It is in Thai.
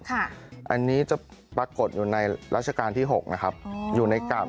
ข้างบัวแห่งสันยินดีต้อนรับทุกท่านนะครับ